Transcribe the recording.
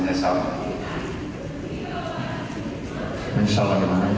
menyesal bagaimana ya